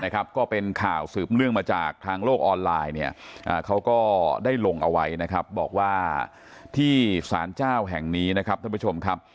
ก็เป็นข่าวสืบเนื่องมาจากทางโลกออนไลน์เนี่ยเขาก็ได้ลงเอาไว้นะครับบอกว่าที่สารเจ้าแห่งนี้นะครับท่านผู้ชมครับ